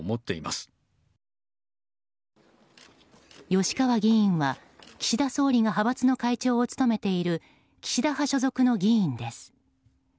吉川議員は岸田総理が派閥の会長を務めている岸田派所属の議員です。